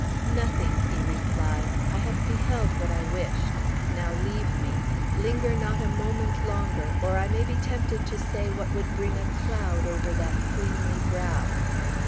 "Nothing," he replied. "I have beheld what I wished. Now leave me. Linger not a moment longer, or I may be tempted to say what would bring a cloud over that queenly brow.